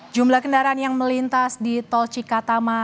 jumlah kendaraan yang melintas di tol cikatama